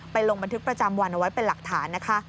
ลงบันทึกประจำวันเอาไว้เป็นหลักฐานนะคะ